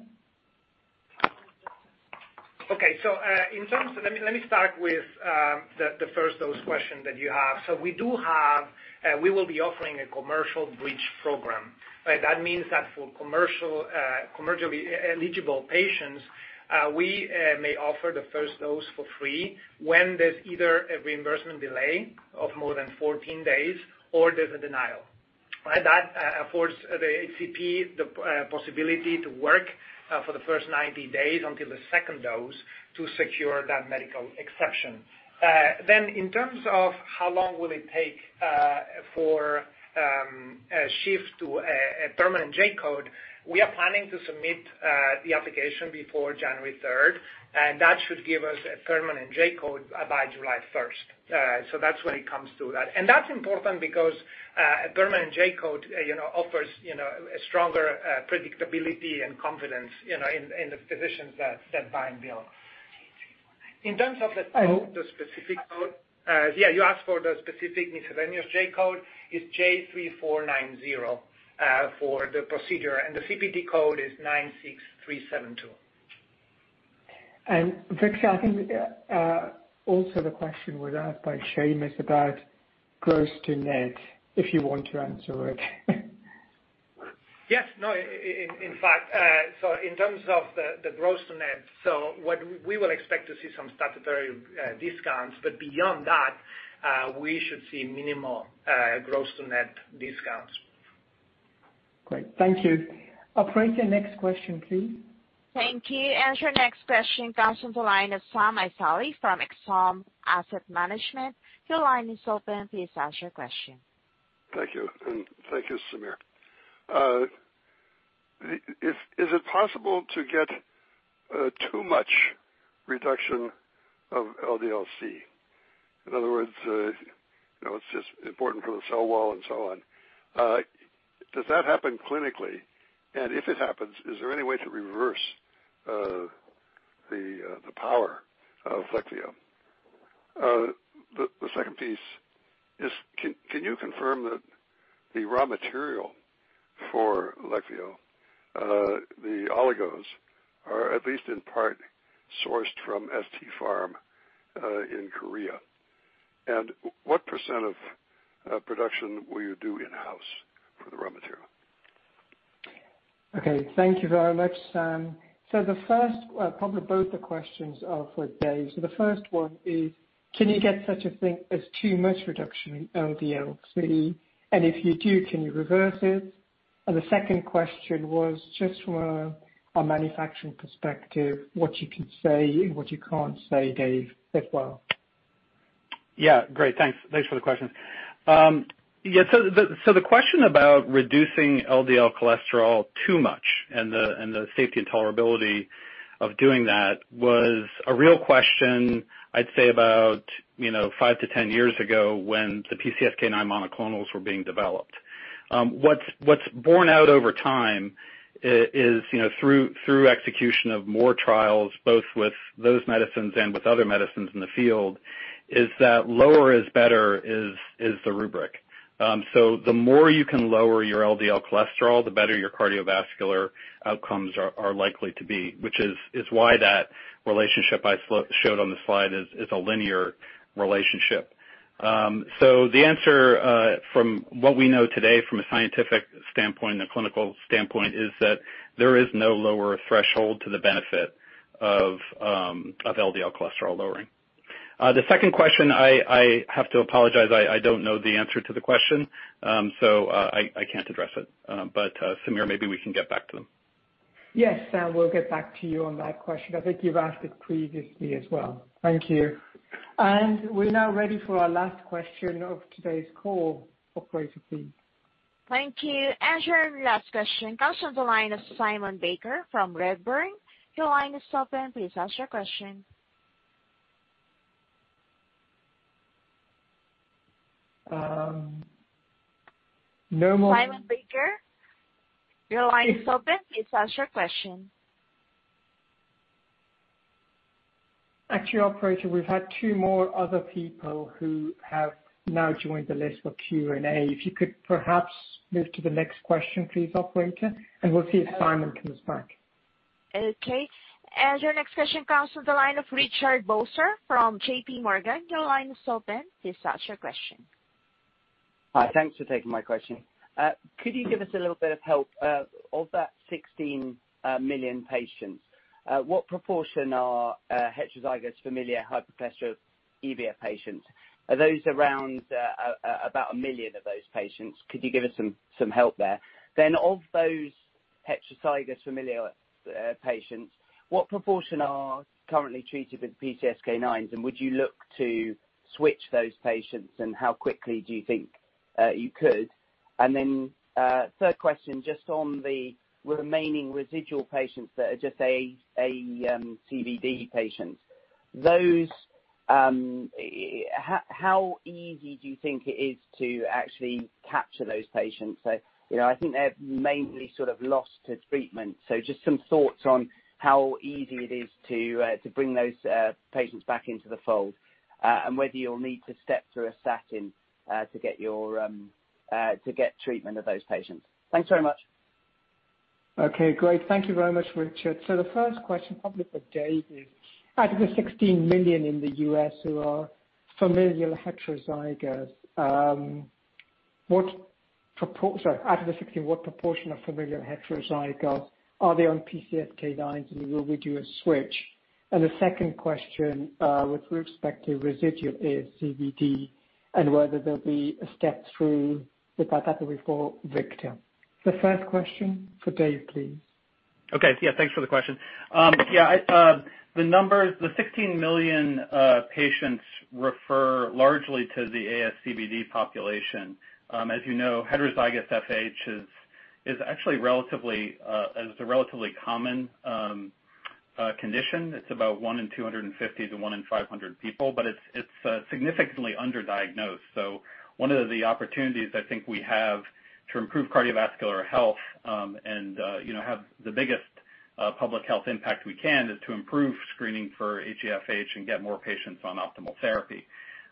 Okay, in terms of. Let me start with the first dose question that you have. We do have, we will be offering a commercial bridge program. That means that for commercial, commercially eligible patients, we may offer the first dose for free when there's either a reimbursement delay of more than 14 days or there's a denial. That affords the HCP the possibility to work for the first 90 days until the second dose to secure that medical exception. Then in terms of how long will it take for a shift to a permanent J-code, we are planning to submit the application before January 3rd, and that should give us a permanent J-code by July 1st. That's when it comes to that. That's important because a permanent J-code, you know, offers, you know, a stronger predictability and confidence, you know, in the physicians that buy-and-bill. In terms of the code, the specific code, yeah, you asked for the specific miscellaneous J-code. It's J3490 for the procedure, and the CPT code is 96372. Victor, I think, also the question was asked by Seamus is about gross to net, if you want to answer it. Yes. No, in fact, so in terms of the gross to net, so what we will expect to see some statutory discounts, but beyond that, we should see minimal gross to net discounts. Great. Thank you. Operator, next question, please. Thank you. Your next question comes from the line of Sam Isaly from OrbiMed Advisors. Your line is open. Please ask your question. Thank you. Thank you, Samir. Is it possible to get too much reduction of LDL-C? In other words, you know, it's just important for the cell wall and so on. Does that happen clinically? And if it happens, is there any way to reverse the power of Leqvio? The second piece is, can you confirm that the raw material for Leqvio, the oligos, are at least in part sourced from ST Pharm in Korea? And what percent of production will you do in-house for the raw material? Okay. Thank you very much, Sam. Probably both the questions are for Dave. The first one is, can you get such a thing as too much reduction in LDL-C? And if you do, can you reverse it? And the second question was just from a manufacturing perspective, what you can say and what you can't say, Dave, as well. Yeah. Great. Thanks. Thanks for the questions. The question about reducing LDL cholesterol too much and the safety and tolerability of doing that was a real question, I'd say about, you know, five to 10 years ago when the PCSK9 monoclonals were being developed. What's borne out over time is, you know, through execution of more trials, both with those medicines and with other medicines in the field, that lower is better is the rubric. The more you can lower your LDL cholesterol, the better your cardiovascular outcomes are likely to be, which is why that relationship I showed on the slide is a linear relationship. The answer, from what we know today from a scientific standpoint and a clinical standpoint, is that there is no lower threshold to the benefit of LDL cholesterol lowering. The second question, I have to apologize. I don't know the answer to the question. I can't address it. Samir, maybe we can get back to them. Yes, Sam, we'll get back to you on that question. I think you've asked it previously as well. Thank you. We're now ready for our last question of today's call. Operator, please. Thank you. Your last question comes from the line of Simon Baker from Redburn. Your line is open. Please ask your question. Um, no more- Simon Baker, your line is open. Please ask your question. Actually, operator, we've had two more other people who have now joined the list for Q&A. If you could perhaps move to the next question, please, operator, and we'll see if Simon comes back. Okay. As your next question comes to the line of Richard Vosser from JP Morgan. Your line is open. Please ask your question. Hi. Thanks for taking my question. Could you give us a little bit of help of that 16 million patients, what proportion are heterozygous familial hypercholesterolemia patients? Are those around about a million of those patients? Could you give us some help there? Of those heterozygous familial patients, what proportion are currently treated with PCSK9s, and would you look to switch those patients, and how quickly do you think you could? Third question, just on the remaining residual patients that are just ASCVD patients, those, how easy do you think it is to actually capture those patients? You know, I think they're mainly sort of lost to treatment. Just some thoughts on how easy it is to bring those patients back into the fold and whether you'll need to step through a statin to get your treatment of those patients. Thanks very much. Okay. Great. Thank you very much, Richard. The first question, probably for Dave, is out of the 16 million patients in the U.S. who are familial heterozygous, what proportion of familial heterozygous are they on PCSK9, and will we do a switch? The second question, with respect to residual ASCVD and whether there'll be a step through with that category for Victor. The first question for Dave, please. Okay. Yeah, thanks for the question. Yeah, the numbers, the 16 million patients refer largely to the ASCVD population. As you know, heterozygous FH is actually a relatively common condition. It's about one in 250 to one in 500 people, but it's significantly underdiagnosed. One of the opportunities I think we have to improve cardiovascular health and you know, have the biggest public health impact we can is to improve screening for HeFH and get more patients on optimal therapy.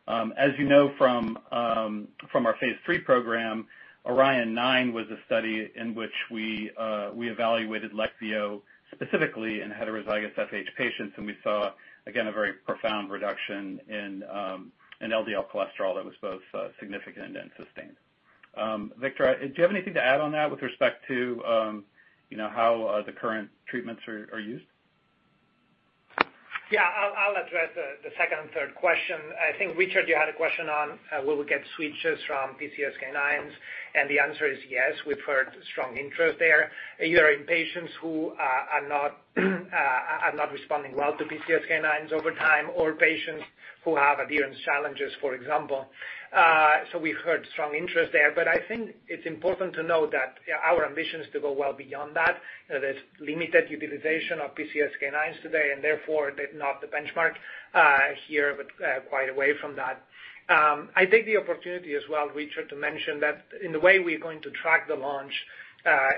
As you know from our phase III program, ORION-9 was a study in which we evaluated Leqvio specifically in heterozygous FH patients, and we saw, again, a very profound reduction in LDL cholesterol that was both significant and sustained. Victor, do you have anything to add on that with respect to you know, how the current treatments are used? I'll address the second and third question. I think, Richard, you had a question on will we get switches from PCSK9s, and the answer is yes. We've heard strong interest there. Either in patients who are not responding well to PCSK9s over time or patients who have adherence challenges, for example. We've heard strong interest there. I think it's important to note that our ambition is to go well beyond that. There's limited utilization of PCSK9s today and therefore they're not the benchmark here, but quite a way from that. I take the opportunity as well, Richard, to mention that in the way we're going to track the launch,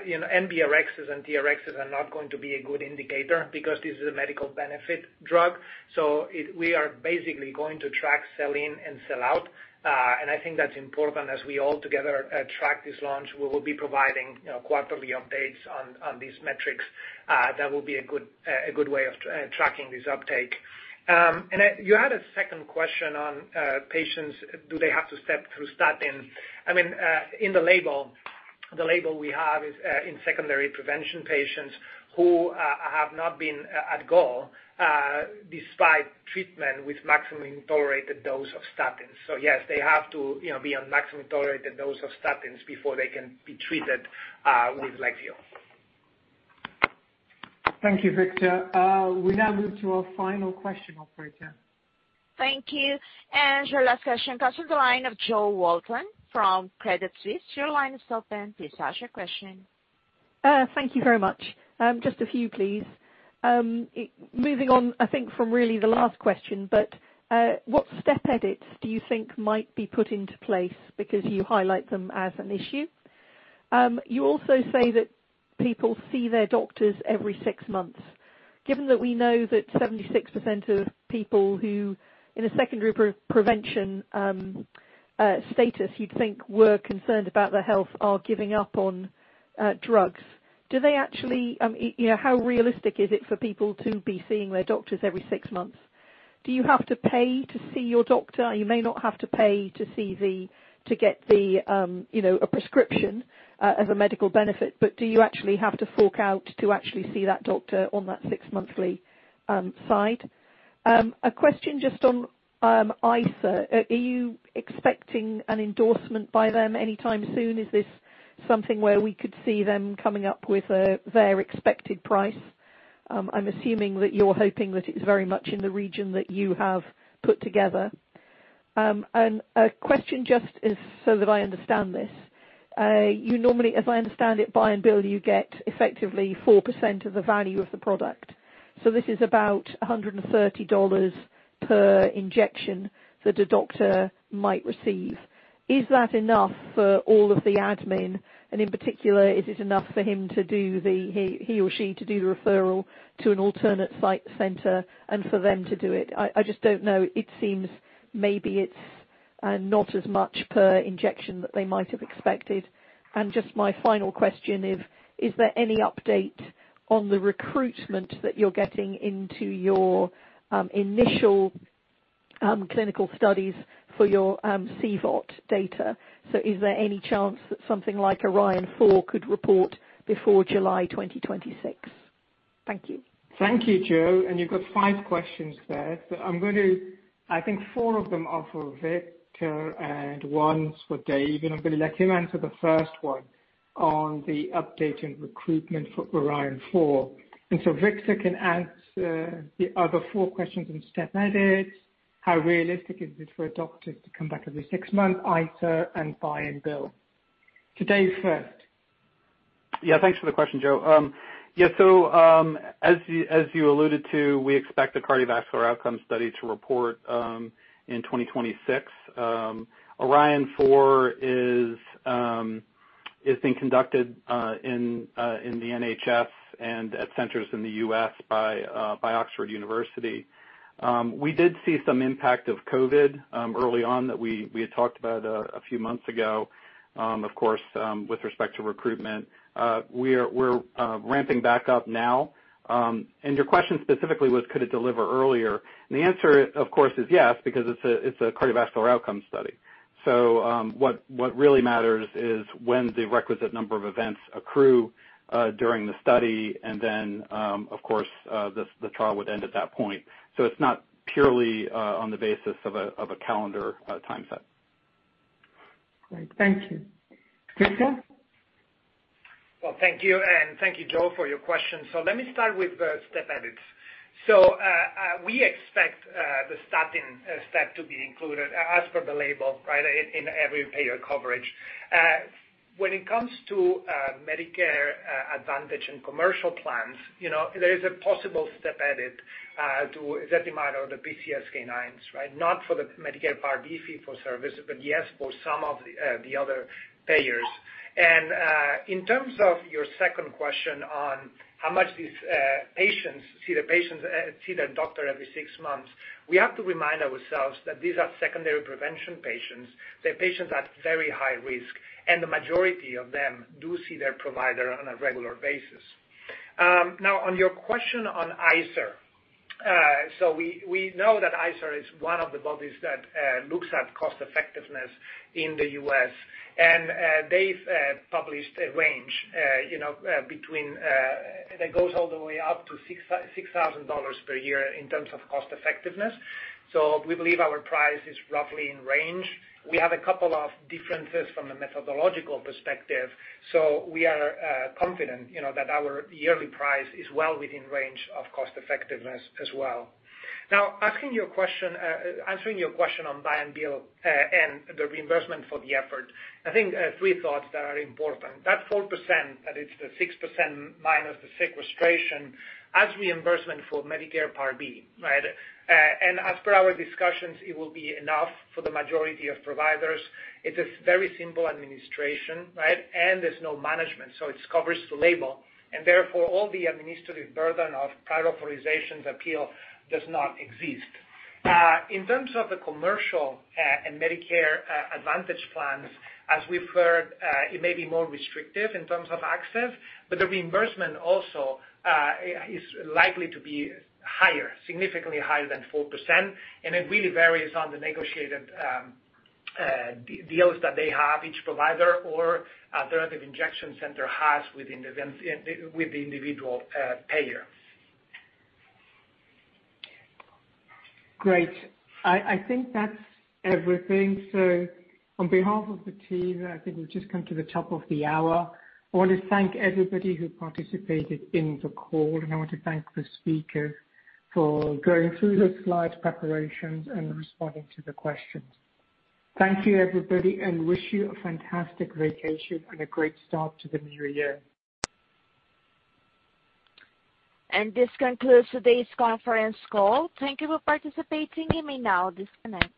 you know, NBRXs and DRXs are not going to be a good indicator because this is a medical benefit drug. We are basically going to track sell-in and sell out. I think that's important as we all together track this launch. We will be providing, you know, quarterly updates on these metrics. That will be a good way of tracking this uptake. You had a second question on patients, do they have to step through statin? I mean, in the label we have is in secondary prevention patients who have not been at goal despite treatment with maximum tolerated dose of statins. Yes, they have to, you know, be on maximum tolerated dose of statins before they can be treated with Leqvio. Thank you, Victor. We now move to our final question, operator. Thank you. Your last question comes from the line of Jo Walton from Credit Suisse. Your line is open. Please ask your question. Thank you very much. Just a few, please. Moving on, I think from really the last question, what step edits do you think might be put into place because you highlight them as an issue? You also say that people see their doctors every six months. Given that we know that 76% of people who in a secondary prevention status you'd think were concerned about their health are giving up on drugs, do they actually, you know, how realistic is it for people to be seeing their doctors every six months? Do you have to pay to see your doctor? You may not have to pay to get a prescription as a medical benefit, but do you actually have to fork out to actually see that doctor on that six monthly side? A question just on ICER. Are you expecting an endorsement by them anytime soon? Is this something where we could see them coming up with their expected price? I'm assuming that you're hoping that it's very much in the region that you have put together. A question just so that I understand this. You normally, as I understand it, buy-and-bill, you get effectively 4% of the value of the product. This is about $130 per injection that a doctor might receive. Is that enough for all of the admin? In particular, is it enough for him to do the he or she to do the referral to an alternate site center and for them to do it? I just don't know. It seems maybe it's not as much per injection that they might have expected. Just my final question is there any update on the recruitment that you're getting into your initial clinical studies for your CVOT data? So is there any chance that something like ORION-4 could report before July 2026? Thank you. Thank you, Jo. You've got five questions there. I'm going to—I think four of them are for Victor and one's for Dave. I'm gonna let him answer the first one on the update in recruitment for ORION-4. Victor can answer the other four questions on step edits. How realistic is it for a doctor to come back every six months, ICER and buy-and-bill. To Dave first. Yeah, thanks for the question, Jo. Yeah, as you alluded to, we expect the cardiovascular outcome study to report in 2026. ORION-4 is being conducted in the NHS and at centers in the U.S. by University of Oxford. We did see some impact of COVID early on that we had talked about a few months ago, of course, with respect to recruitment. We're ramping back up now. Your question specifically was could it deliver earlier? The answer, of course, is yes, because it's a cardiovascular outcome study. What really matters is when the requisite number of events accrue during the study, and then, of course, the trial would end at that point. It's not purely on the basis of a calendar time set. Great. Thank you. Victor? Well, thank you and thank you Jo for your question. Let me start with the step edits. We expect the statin step to be included as per the label, right, in every payer coverage. When it comes to Medicare Advantage and commercial plans, you know, there is a possible step edit to ezetimibe or the PCSK9s, right? Not for the Medicare Part D fee-for-service, but yes, for some of the other payers. In terms of your second question on how much these patients see their doctor every six months, we have to remind ourselves that these are secondary prevention patients. They're patients at very high risk, and the majority of them do see their provider on a regular basis. Now on your question on ICER. We know that ICER is one of the bodies that looks at cost effectiveness in the U.S. They've published a range, you know, that goes all the way up to $6,000 per year in terms of cost effectiveness. We believe our price is roughly in range. We have a couple of differences from the methodological perspective. We are confident, you know, that our yearly price is well within range of cost effectiveness as well. Answering your question on buy-and-bill and the reimbursement for Leqvio, I think three thoughts that are important. That 4%, it's the 6% minus the sequestration as reimbursement for Medicare Part B, right? As per our discussions, it will be enough for the majority of providers. It's a very simple administration, right? There's no management, so it covers the label and therefore all the administrative burden of prior authorizations appeal does not exist. In terms of the commercial and Medicare Advantage plans, as we've heard, it may be more restrictive in terms of access, but the reimbursement also is likely to be higher, significantly higher than 4%. It really varies on the negotiated deals that they have, each provider or a derivative injection center has within the with the individual payer. Great. I think that's everything. On behalf of the team, I think we've just come to the top of the hour. I want to thank everybody who participated in the call, and I want to thank the speakers for going through the slide preparations and responding to the questions. Thank you, everybody, and I wish you a fantastic vacation and a great start to the new year. This concludes today's conference call. Thank you for participating. You may now disconnect.